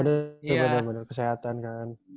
benar benar kesehatan kan